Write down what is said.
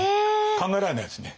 考えられないですね。